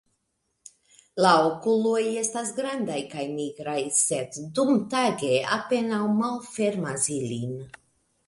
La okuloj estas grandaj kaj nigraj, sed dumtage apenaŭ malfermas ilin.